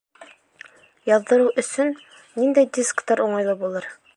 Яҙҙырыу өсөн ниндәй дисктар уңайлы булыр?